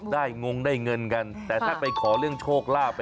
งงได้เงินกันแต่ถ้าไปขอเรื่องโชคลาภ